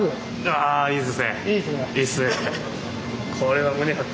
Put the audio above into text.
あいいですね！